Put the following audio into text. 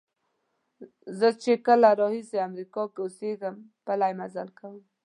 زه چې کله راهیسې امریکا کې اوسېږم پلی مزل کوم.